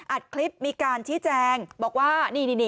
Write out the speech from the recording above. อัดคลิปมีการชี้แจงบอกว่านี่